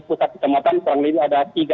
terima kasih pak